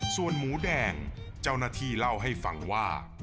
ส่วนหมูแดงเจ้าหน้าที่เล่าให้ฟังว่า